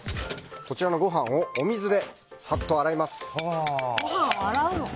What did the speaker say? こちらのご飯をお水でサッと洗います。